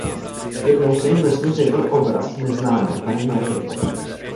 Jednou se jim ve snu zjevil obraz neznámé Panny Marie.